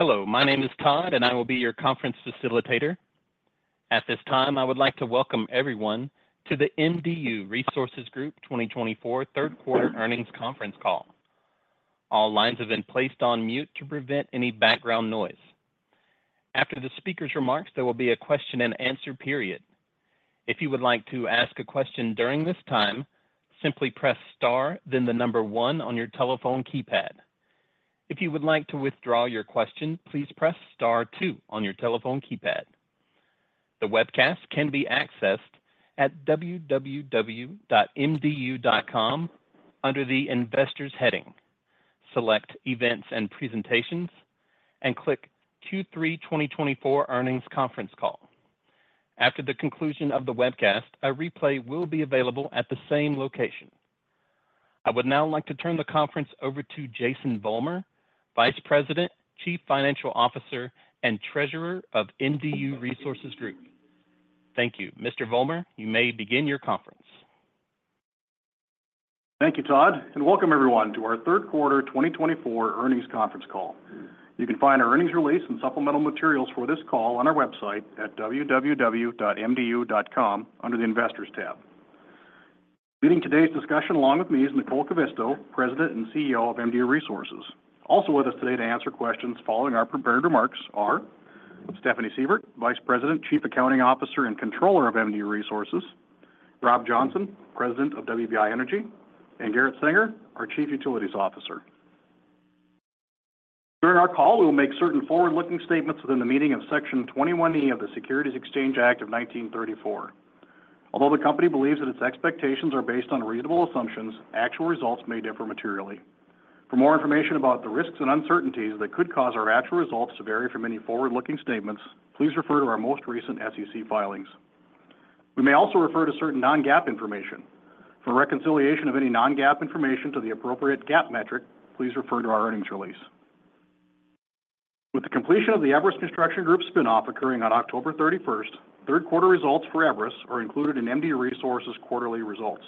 Hello. My name is Todd, and I will be your conference facilitator. At this time, I would like to welcome everyone to the MDU Resources Group 2024 third quarter earnings conference call. All lines have been placed on mute to prevent any background noise. After the speaker's remarks, there will be a question-and-answer period. If you would like to ask a question during this time, simply press star, then the number one on your telephone keypad. If you would like to withdraw your question, please press star two on your telephone keypad. The webcast can be accessed at www.mdu.com under the Investors heading. Select Events and Presentations and click Q3 2024 earnings conference call. After the conclusion of the webcast, a replay will be available at the same location. I would now like to turn the conference over to Jason Vollmer, Vice President, Chief Financial Officer, and Treasurer of MDU Resources Group. Thank you. Mr. Vollmer, you may begin your conference. Thank you, Todd, and welcome everyone to our third quarter 2024 earnings conference call. You can find our earnings release and supplemental materials for this call on our website at www.mdu.com under the Investors tab. Leading today's discussion along with me is Nicole Kivisto, President and CEO of MDU Resources. Also with us today to answer questions following our prepared remarks are Stephanie Sievert, Vice President, Chief Accounting Officer and Controller of MDU Resources, Rob Johnson, President of WBI Energy, and Garret Senger, our Chief Utilities Officer. During our call, we will make certain forward-looking statements within the meaning of Section 21E of the Securities Exchange Act of 1934. Although the company believes that its expectations are based on reasonable assumptions, actual results may differ materially. For more information about the risks and uncertainties that could cause our actual results to vary from any forward-looking statements, please refer to our most recent SEC filings. We may also refer to certain non-GAAP information. For reconciliation of any non-GAAP information to the appropriate GAAP metric, please refer to our earnings release. With the completion of the Everus Construction Group spinoff occurring on October 31st, third quarter results for Everus are included in MDU Resources quarterly results.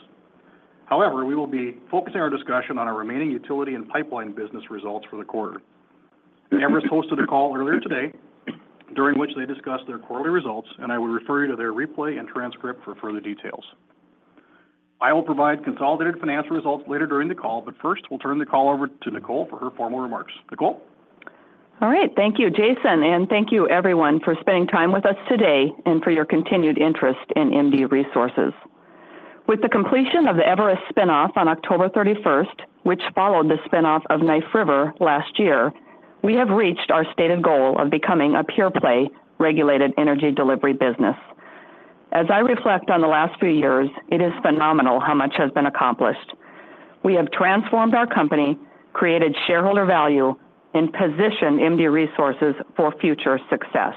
However, we will be focusing our discussion on our remaining utility and pipeline business results for the quarter. Everus hosted a call earlier today during which they discussed their quarterly results, and I will refer you to their replay and transcript for further details. I will provide consolidated financial results later during the call, but first, we'll turn the call over to Nicole for her formal remarks. Nicole? All right. Thank you, Jason, and thank you everyone for spending time with us today and for your continued interest in MDU Resources. With the completion of the Everus spinoff on October 31st, which followed the spinoff of Knife River last year, we have reached our stated goal of becoming a pure-play regulated energy delivery business. As I reflect on the last few years, it is phenomenal how much has been accomplished. We have transformed our company, created shareholder value, and positioned MDU Resources for future success.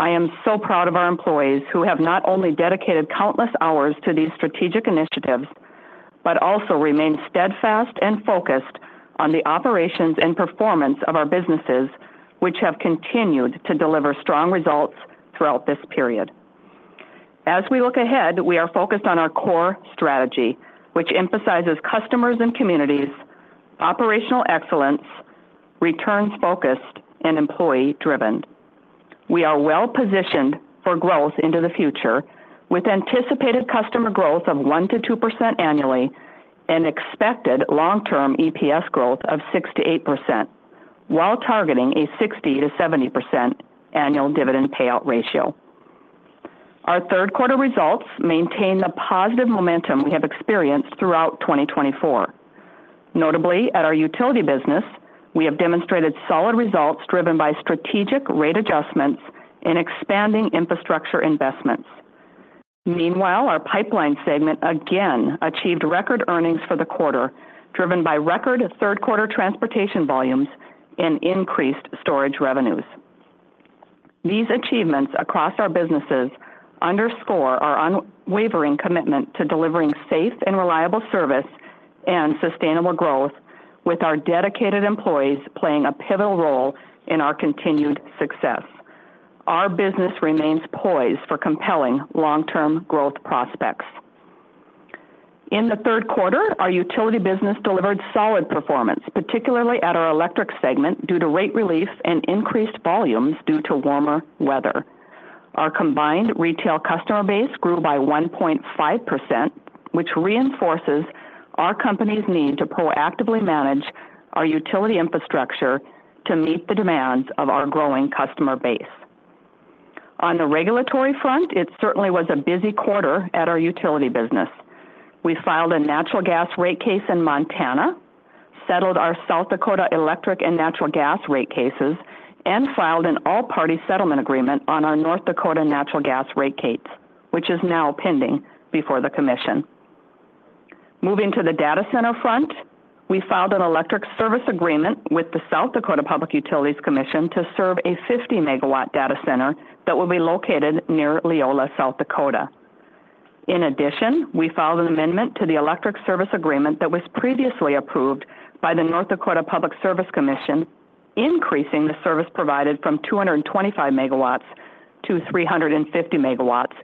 I am so proud of our employees who have not only dedicated countless hours to these strategic initiatives but also remained steadfast and focused on the operations and performance of our businesses, which have continued to deliver strong results throughout this period. As we look ahead, we are focused on our core strategy, which emphasizes customers and communities, operational excellence, returns-focused, and employee-driven. We are well-positioned for growth into the future with anticipated customer growth of 1-2% annually and expected long-term EPS growth of 6-8% while targeting a 60-70% annual dividend payout ratio. Our third quarter results maintain the positive momentum we have experienced throughout 2024. Notably, at our utility business, we have demonstrated solid results driven by strategic rate adjustments and expanding infrastructure investments. Meanwhile, our pipeline segment again achieved record earnings for the quarter, driven by record third quarter transportation volumes and increased storage revenues. These achievements across our businesses underscore our unwavering commitment to delivering safe and reliable service and sustainable growth, with our dedicated employees playing a pivotal role in our continued success. Our business remains poised for compelling long-term growth prospects. In the third quarter, our utility business delivered solid performance, particularly at our electric segment due to rate relief and increased volumes due to warmer weather. Our combined retail customer base grew by 1.5%, which reinforces our company's need to proactively manage our utility infrastructure to meet the demands of our growing customer base. On the regulatory front, it certainly was a busy quarter at our utility business. We filed a natural gas rate case in Montana, settled our South Dakota electric and natural gas rate cases, and filed an all-party settlement agreement on our North Dakota natural gas rate case, which is now pending before the commission. Moving to the data center front, we filed an electric service agreement with the South Dakota Public Utilities Commission to serve a 50-megawatt data center that will be located near Leola, South Dakota. In addition, we filed an amendment to the electric service agreement that was previously approved by the North Dakota Public Service Commission, increasing the service provided from 225 megawatts to 350 megawatts.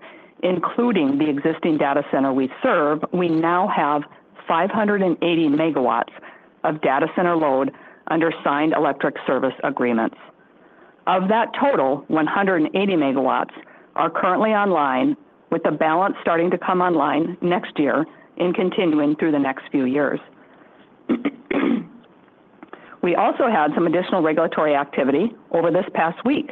Including the existing data center we serve, we now have 580 megawatts of data center load under signed electric service agreements. Of that total, 180 megawatts are currently online, with the balance starting to come online next year and continuing through the next few years. We also had some additional regulatory activity over this past week.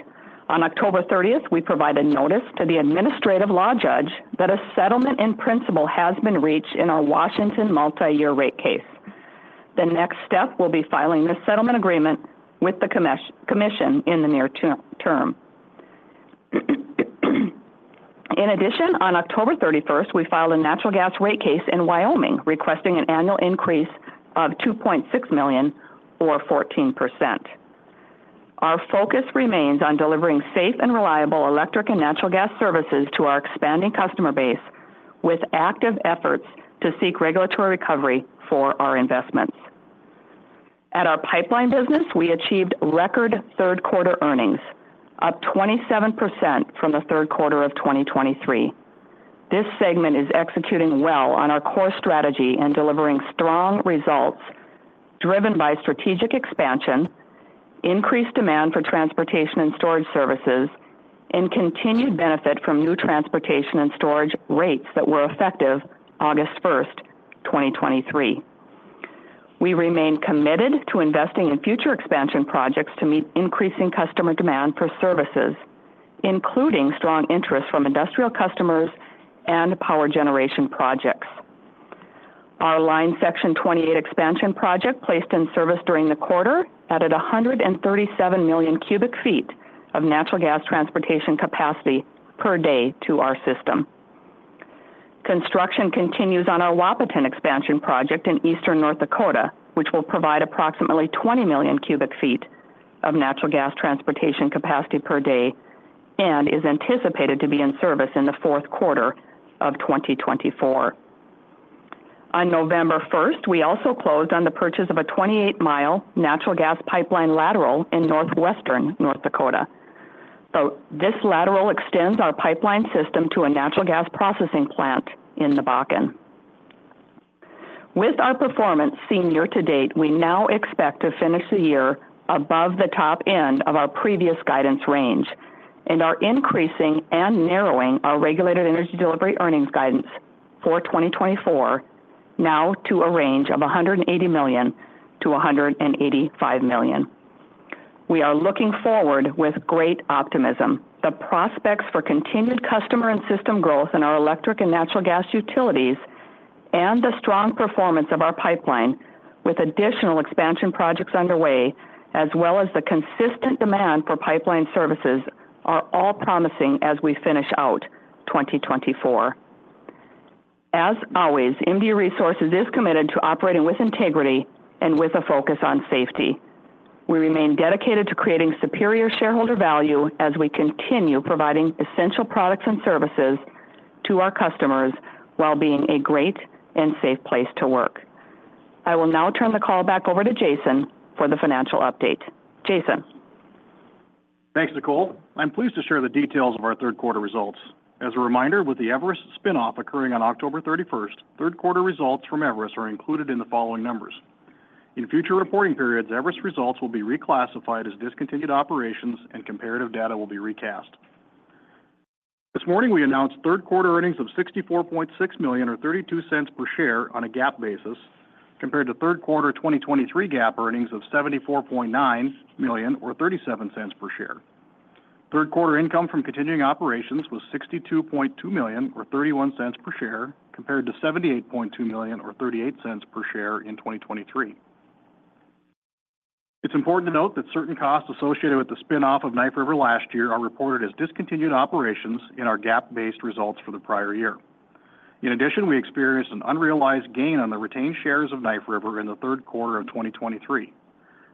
On October 30th, we provided notice to the administrative law judge that a settlement in principle has been reached in our Washington multi-year rate case. The next step will be filing the settlement agreement with the commission in the near term. In addition, on October 31st, we filed a natural gas rate case in Wyoming, requesting an annual increase of $2.6 million, or 14%. Our focus remains on delivering safe and reliable electric and natural gas services to our expanding customer base, with active efforts to seek regulatory recovery for our investments. At our pipeline business, we achieved record third quarter earnings, up 27% from the third quarter of 2023. This segment is executing well on our core strategy and delivering strong results driven by strategic expansion, increased demand for transportation and storage services, and continued benefit from new transportation and storage rates that were effective August 1st, 2023. We remain committed to investing in future expansion projects to meet increasing customer demand for services, including strong interest from industrial customers and power generation projects. Our Line Section 28 Expansion Project, placed in service during the quarter, added 137 million cubic feet of natural gas transportation capacity per day to our system. Construction continues on our Wahpeton Expansion Project in Eastern North Dakota, which will provide approximately 20 million cubic feet of natural gas transportation capacity per day and is anticipated to be in service in the fourth quarter of 2024. On November 1st, we also closed on the purchase of a 28-mile natural gas pipeline lateral in Northwestern North Dakota. This lateral extends our pipeline system to a natural gas processing plant in the Bakken. With our performance seen year to date, we now expect to finish the year above the top end of our previous guidance range and are increasing and narrowing our regulated energy delivery earnings guidance for 2024 now to a range of 180 million-185 million. We are looking forward with great optimism. The prospects for continued customer and system growth in our electric and natural gas utilities and the strong performance of our pipeline, with additional expansion projects underway, as well as the consistent demand for pipeline services, are all promising as we finish out 2024. As always, MDU Resources is committed to operating with integrity and with a focus on safety. We remain dedicated to creating superior shareholder value as we continue providing essential products and services to our customers while being a great and safe place to work. I will now turn the call back over to Jason for the financial update. Jason. Thanks, Nicole. I'm pleased to share the details of our third quarter results. As a reminder, with the Everus spinoff occurring on October 31st, third quarter results from Everus are included in the following numbers. In future reporting periods, Everus results will be reclassified as discontinued operations, and comparative data will be recast. This morning, we announced third quarter earnings of $64.6 million, or $0.32 per share, on a GAAP basis, compared to third quarter 2023 GAAP earnings of $74.9 million, or $0.37 per share. Third quarter income from continuing operations was $62.2 million, or $0.31 per share, compared to $78.2 million, or $0.38 per share in 2023. It's important to note that certain costs associated with the spinoff of Knife River last year are reported as discontinued operations in our GAAP-based results for the prior year. In addition, we experienced an unrealized gain on the retained shares of Knife River in the third quarter of 2023.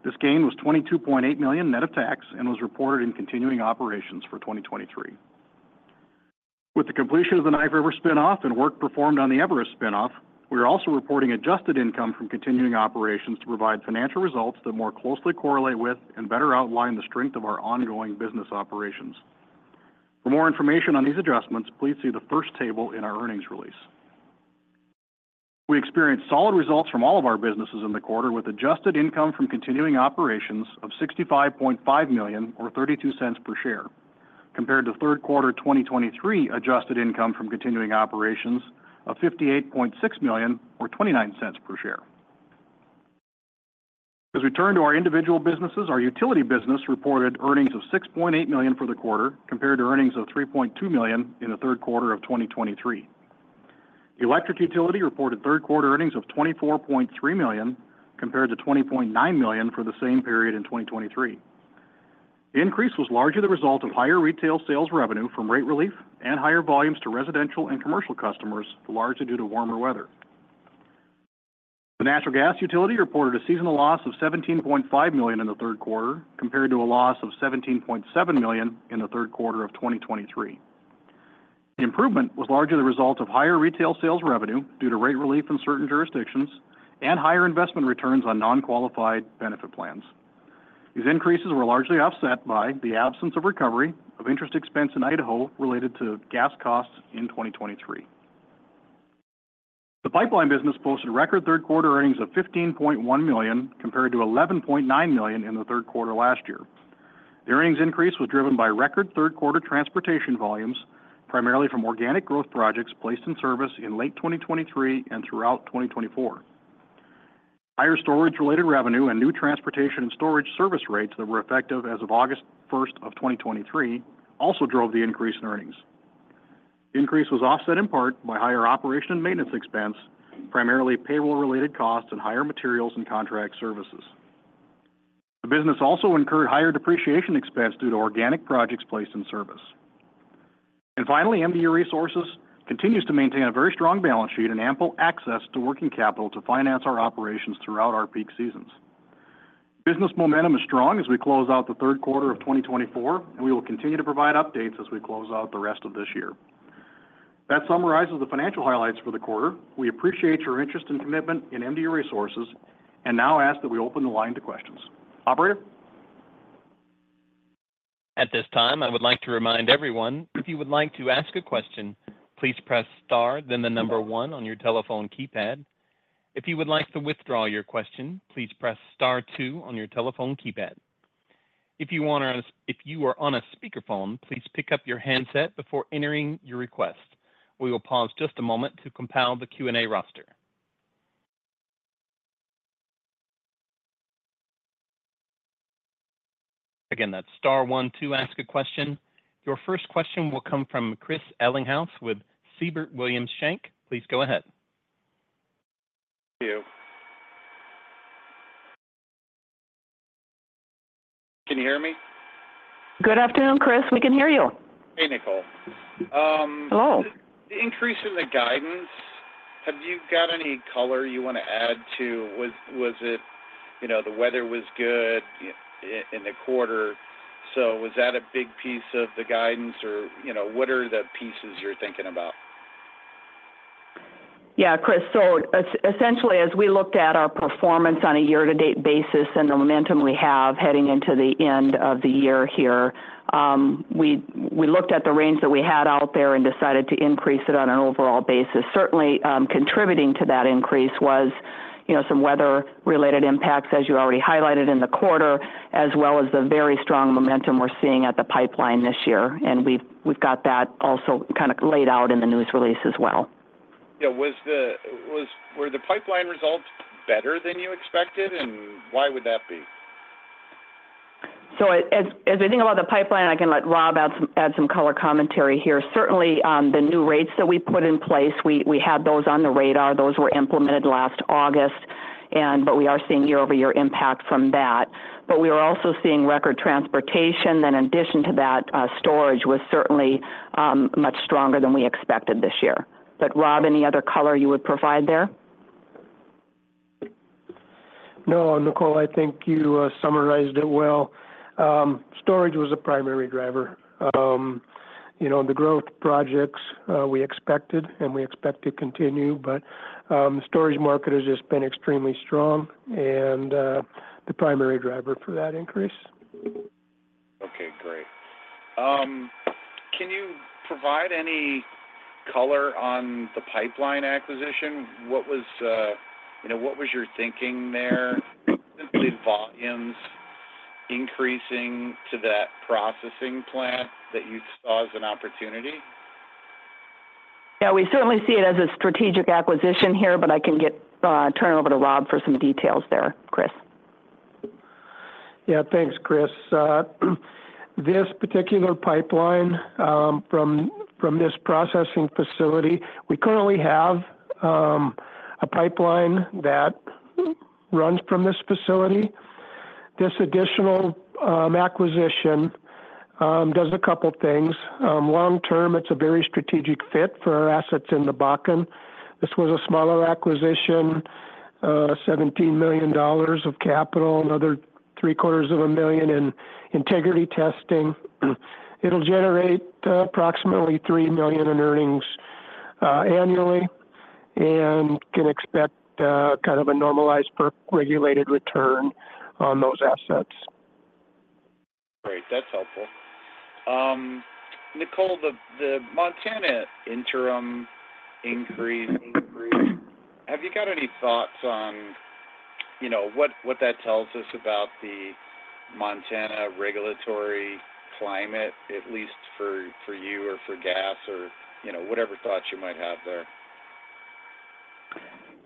This gain was $22.8 million net of tax and was reported in continuing operations for 2023. With the completion of the Knife River spinoff and work performed on the Everus spinoff, we are also reporting adjusted income from continuing operations to provide financial results that more closely correlate with and better outline the strength of our ongoing business operations. For more information on these adjustments, please see the first table in our earnings release. We experienced solid results from all of our businesses in the quarter, with adjusted income from continuing operations of $65.5 million, or $0.32 per share, compared to third quarter 2023 adjusted income from continuing operations of $58.6 million, or $0.29 per share. As we turn to our individual businesses, our utility business reported earnings of $6.8 million for the quarter, compared to earnings of $3.2 million in the third quarter of 2023. Electric utility reported third quarter earnings of $24.3 million, compared to $20.9 million for the same period in 2023. The increase was largely the result of higher retail sales revenue from rate relief and higher volumes to residential and commercial customers, largely due to warmer weather. The natural gas utility reported a seasonal loss of $17.5 million in the third quarter, compared to a loss of $17.7 million in the third quarter of 2023. The improvement was largely the result of higher retail sales revenue due to rate relief in certain jurisdictions and higher investment returns on non-qualified benefit plans. These increases were largely offset by the absence of recovery of interest expense in Idaho related to gas costs in 2023. The pipeline business posted record third quarter earnings of $15.1 million, compared to $11.9 million in the third quarter last year. The earnings increase was driven by record third quarter transportation volumes, primarily from organic growth projects placed in service in late 2023 and throughout 2024. Higher storage-related revenue and new transportation and storage service rates that were effective as of August 1st of 2023 also drove the increase in earnings. The increase was offset in part by higher operation and maintenance expense, primarily payroll-related costs and higher materials and contract services. The business also incurred higher depreciation expense due to organic projects placed in service. Finally, MDU Resources continues to maintain a very strong balance sheet and ample access to working capital to finance our operations throughout our peak seasons. Business momentum is strong as we close out the third quarter of 2024, and we will continue to provide updates as we close out the rest of this year. That summarizes the financial highlights for the quarter. We appreciate your interest and commitment in MDU Resources and now ask that we open the line to questions. Operator. At this time, I would like to remind everyone, if you would like to ask a question, please press Star, then the number 1 on your telephone keypad. If you would like to withdraw your question, please press Star, 2 on your telephone keypad. If you are on a speakerphone, please pick up your handset before entering your request. We will pause just a moment to compile the Q&A roster. Again, that's Star, 1, 2, ask a question. Your first question will come from Chris Ellinghaus with Siebert Williams Shank. Please go ahead. Thank you. Can you hear me? Good afternoon, Chris. We can hear you. Hey, Nicole. Hello. The increase in the guidance, have you got any color you want to add to? Was it the weather was good in the quarter, so was that a big piece of the guidance, or what are the pieces you're thinking about? Yeah, Chris. So essentially, as we looked at our performance on a year-to-date basis and the momentum we have heading into the end of the year here, we looked at the range that we had out there and decided to increase it on an overall basis. Certainly, contributing to that increase was some weather-related impacts, as you already highlighted in the quarter, as well as the very strong momentum we're seeing at the pipeline this year. And we've got that also kind of laid out in the news release as well. Yeah. Were the pipeline results better than you expected, and why would that be? So as we think about the pipeline, I can let Rob add some color commentary here. Certainly, the new rates that we put in place, we had those on the radar. Those were implemented last August, but we are seeing year-over-year impact from that. But we are also seeing record transportation. In addition to that, storage was certainly much stronger than we expected this year. But Rob, any other color you would provide there? No, Nicole, I think you summarized it well. Storage was a primary driver. The growth projects we expected, and we expect to continue, but the storage market has just been extremely strong and the primary driver for that increase. Okay, great. Can you provide any color on the pipeline acquisition? What was your thinking there? Simply volumes increasing to that processing plant that you saw as an opportunity? Yeah, we certainly see it as a strategic acquisition here, but I can turn it over to Rob for some details there, Chris. Yeah, thanks, Chris. This particular pipeline from this processing facility, we currently have a pipeline that runs from this facility. This additional acquisition does a couple of things. Long-term, it's a very strategic fit for our assets in the Bakken. This was a smaller acquisition, $17 million of capital, $750,000 in integrity testing. It'll generate approximately $3 million in earnings annually and can expect kind of a normalized per-regulated return on those assets. Great. That's helpful. Nicole, the Montana interim increase, have you got any thoughts on what that tells us about the Montana regulatory climate, at least for you or for gas or whatever thoughts you might have there?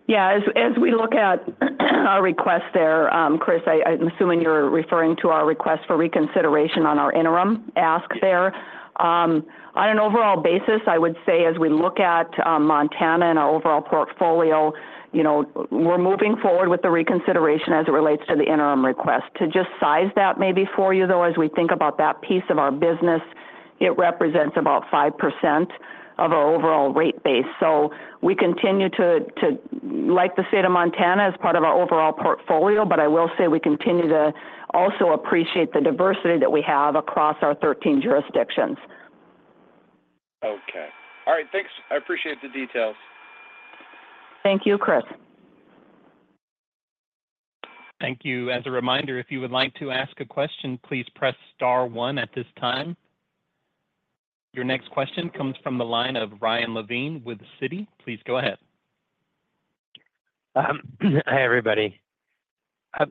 Yeah. As we look at our request there, Chris, I'm assuming you're referring to our request for reconsideration on our interim ask there. On an overall basis, I would say, as we look at Montana and our overall portfolio, we're moving forward with the reconsideration as it relates to the interim request. To just size that maybe for you, though, as we think about that piece of our business, it represents about 5% of our overall rate base. So we continue to like the state of Montana as part of our overall portfolio, but I will say we continue to also appreciate the diversity that we have across our 13 jurisdictions. Okay. All right. Thanks. I appreciate the details. Thank you, Chris. Thank you. As a reminder, if you would like to ask a question, please press Star, 1 at this time. Your next question comes from the line of Ryan Levine with Citi. Please go ahead. Hi, everybody.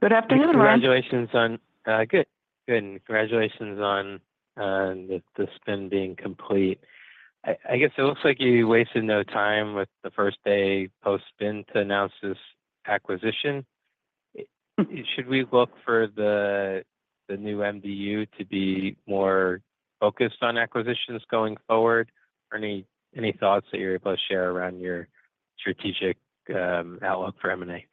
Good afternoon, Ryan. Congratulations on good. And congratulations on the spin being complete. I guess it looks like you wasted no time with the first day post-spin to announce this acquisition. Should we look for the new MDU to be more focused on acquisitions going forward? Any thoughts that you're able to share around your strategic outlook for M&A?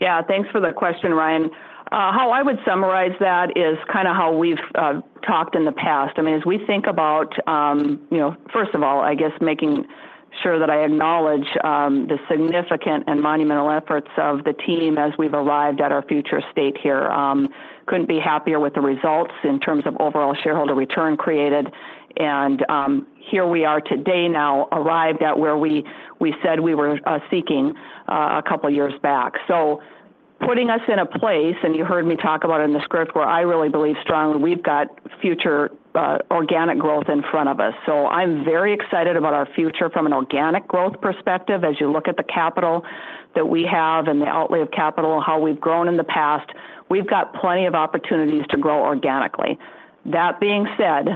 Yeah. Thanks for the question, Ryan. How I would summarize that is kind of how we've talked in the past. I mean, as we think about, first of all, I guess making sure that I acknowledge the significant and monumental efforts of the team as we've arrived at our future state here. Couldn't be happier with the results in terms of overall shareholder return created, and here we are today now, arrived at where we said we were seeking a couple of years back, so putting us in a place, and you heard me talk about it in the script, where I really believe strongly we've got future organic growth in front of us, so I'm very excited about our future from an organic growth perspective. As you look at the capital that we have and the outlay of capital, how we've grown in the past, we've got plenty of opportunities to grow organically. That being said,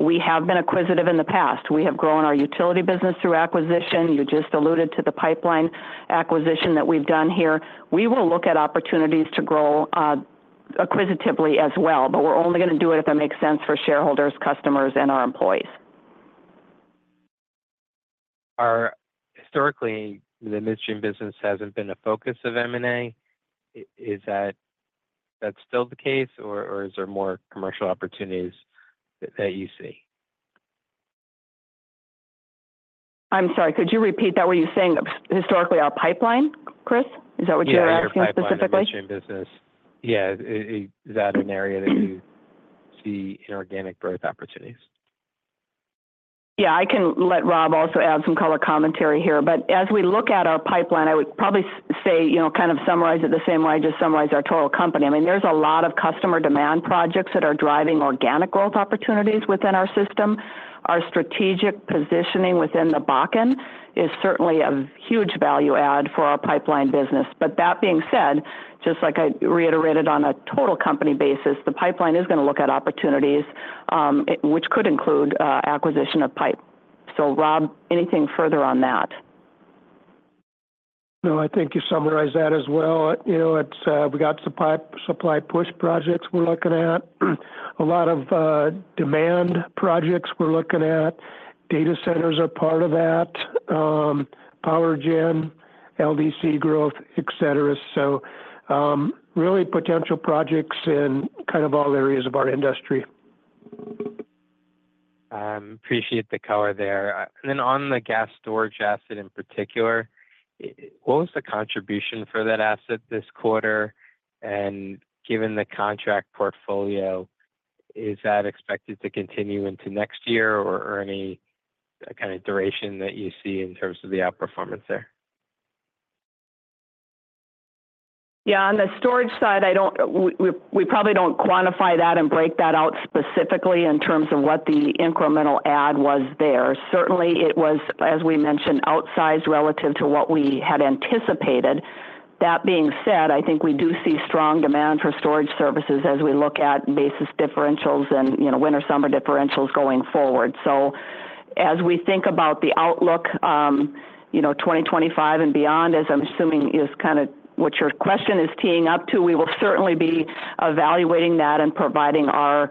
we have been acquisitive in the past. We have grown our utility business through acquisition. You just alluded to the pipeline acquisition that we've done here. We will look at opportunities to grow acquisitively as well, but we're only going to do it if it makes sense for shareholders, customers, and our employees. Historically, the midstream business hasn't been a focus of M&A. Is that still the case, or is there more commercial opportunities that you see? I'm sorry. Could you repeat that? Were you saying historically our pipeline, Chris? Is that what you're asking specifically? Yeah. Our pipeline and midstream business. Yeah. Is that an area that you see inorganic growth opportunities? Yeah. I can let Rob also add some color commentary here. But as we look at our pipeline, I would probably say kind of summarize it the same way I just summarized our total company. I mean, there's a lot of customer demand projects that are driving organic growth opportunities within our system. Our strategic positioning within the Bakken is certainly a huge value add for our pipeline business. But that being said, just like I reiterated on a total company basis, the pipeline is going to look at opportunities, which could include acquisition of pipe. So Rob, anything further on that? No, I think you summarized that as well. We got supply push projects we're looking at. A lot of demand projects we're looking at. Data centers are part of that. Power gen, LDC growth, etc. So really potential projects in kind of all areas of our industry. Appreciate the color there. And then on the gas storage asset in particular, what was the contribution for that asset this quarter? And given the contract portfolio, is that expected to continue into next year or any kind of duration that you see in terms of the outperformance there? Yeah. On the storage side, we probably don't quantify that and break that out specifically in terms of what the incremental add was there. Certainly, it was, as we mentioned, outsized relative to what we had anticipated. That being said, I think we do see strong demand for storage services as we look at basis differentials and winter-summer differentials going forward. So as we think about the outlook 2025 and beyond, as I'm assuming is kind of what your question is teeing up to, we will certainly be evaluating that and providing our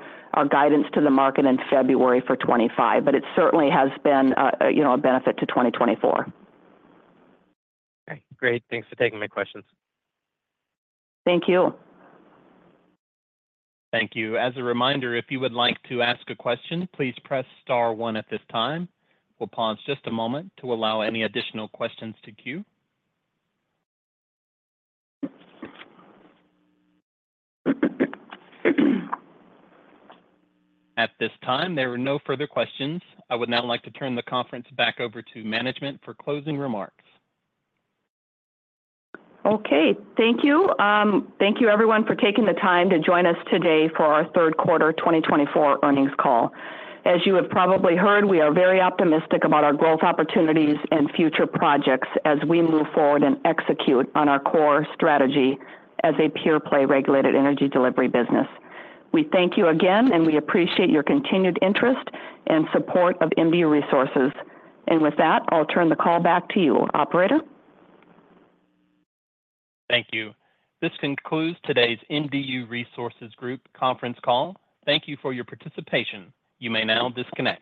guidance to the market in February for '25. But it certainly has been a benefit to 2024. Okay. Great. Thanks for taking my questions. Thank you. Thank you. As a reminder, if you would like to ask a question, please press Star, 1 at this time. We'll pause just a moment to allow any additional questions to queue. At this time, there are no further questions. I would now like to turn the conference back over to management for closing remarks. Okay. Thank you. Thank you, everyone, for taking the time to join us today for our third quarter 2024 earnings call. As you have probably heard, we are very optimistic about our growth opportunities and future projects as we move forward and execute on our core strategy as a pure-play regulated energy delivery business. We thank you again, and we appreciate your continued interest and support of MDU Resources. And with that, I'll turn the call back to you, Operator. Thank you. This concludes today's MDU Resources Group conference call. Thank you for your participation. You may now disconnect.